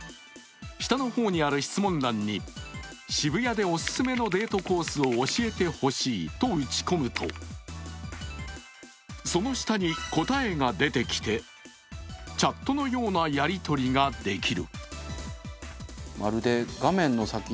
下の方にある質問欄に渋谷でおすすめのデートコースを教えてほしいと打ち込むとその下に答えが出てきて、チャットのようなやり取りができる。